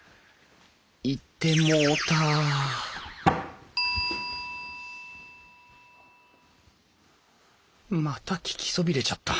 行ってもうたまた聞きそびれちゃった。